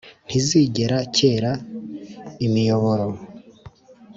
ntizigera cyera imiyoboro